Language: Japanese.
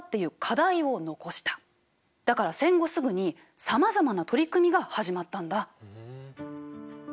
だから戦後すぐにさまざまな取り組みが始まったんだ。